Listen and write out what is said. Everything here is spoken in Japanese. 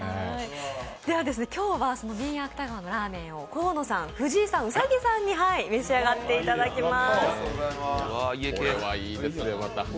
今日はその麺家あくた川のラーメンを河野さん、藤井さん、兎さんに召し上がっていただきます。